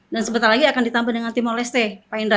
dan sebentar lagi akan ditambah dengan tim oles pak indra